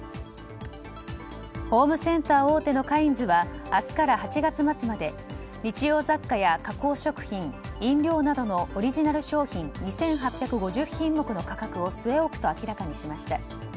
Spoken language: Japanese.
ホームセンター大手のカインズは明日から８月末まで日用雑貨や加工食品、飲料などのオリジナル商品２８５０品目の価格を据え置くと明らかにしました。